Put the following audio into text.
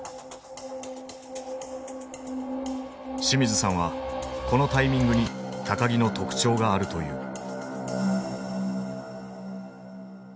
清水さんはこのタイミングに木の特徴があるという。